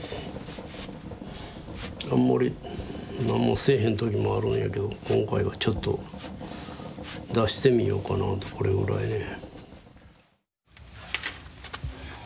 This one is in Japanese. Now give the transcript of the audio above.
あんまりなんもせえへんときもあるんやけど今回はちょっと出してみようかなとこれぐらいね。